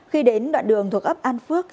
khi đến đoạn đường thuộc ấp an phước